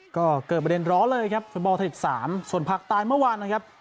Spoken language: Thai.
ก็เกิดประเด็นล้อเลยครับฟุตบอลทศ๓ส่วนพลักษณ์ตายเมื่อวานนะครับ